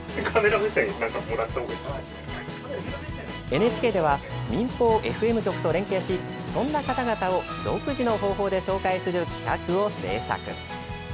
ＮＨＫでは民放ＦＭ局と連携しそんな方々を独自の方法で紹介する企画を制作。